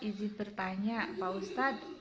izin bertanya pak ustadz